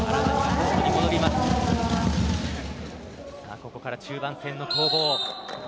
ここから中盤戦の攻防。